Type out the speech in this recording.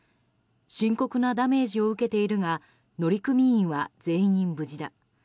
深刻なダメージを受けているが乗組員は全員無事だ。